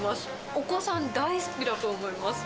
お子さん、大好きだと思います。